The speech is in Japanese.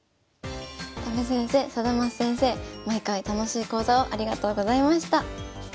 戸辺先生貞升先生毎回楽しい講座をありがとうございました。